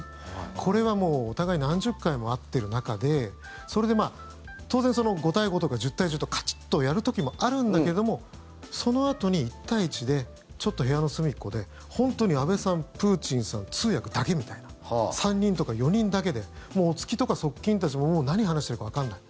これはお互い何十回も会ってる中で当然５対５とか１０対１０とかカチッとやる時もあるんだけどもそのあとに１対１でちょっと部屋の隅っこで本当に安倍さん、プーチンさん通訳だけみたいな３人とか４人だけでお付きとか側近たちももう何話してるかわかんない。